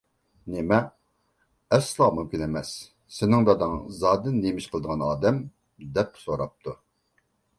— نېمە؟ ئەسلا مۇمكىن ئەمەس، سېنىڭ داداڭ زادى نېمە ئىش قىلىدىغان ئادەم؟ — دەپ سوراپتۇ.